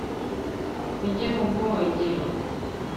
ujye mu bwogero